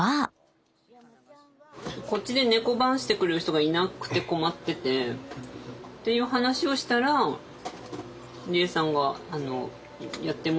「こっちで猫番してくれる人がいなくて困ってて」っていう話をしたらりえさんが「やってもいいよ」って話になって。